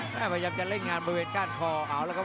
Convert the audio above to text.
แผ่นหน้าเกิน๓เก้าครับ